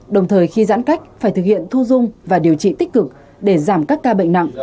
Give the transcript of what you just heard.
đồng thời khi giãn cách phải thực hiện thu dung và điều trị tích cực để giảm các ca bệnh nặng